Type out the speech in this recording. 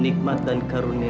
nikmat dan karunia